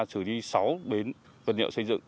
xử lý sáu bến vật liệu xây dựng